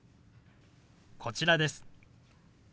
こちらです。